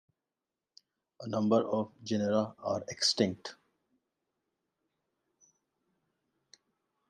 A number of genera are extinct.